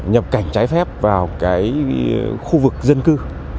nhập cảnh trái phép vào khu vực dân cư